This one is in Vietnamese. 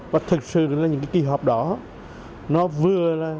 và thực sự là những cái kỳ họp đó nó vừa là